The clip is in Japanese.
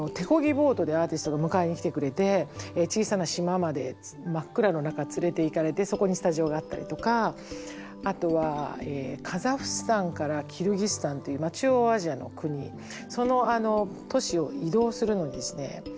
ボートでアーティストが迎えに来てくれて小さな島まで真っ暗の中連れていかれてそこにスタジオがあったりとかあとはカザフスタンからキルギスタンという中央アジアの国その都市を移動するのにですね